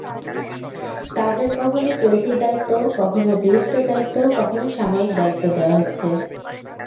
তাঁদের কখনো চলতি দায়িত্ব, কখনো অতিরিক্ত দায়িত্ব, কখনো সাময়িক দায়িত্ব দেওয়া হচ্ছে।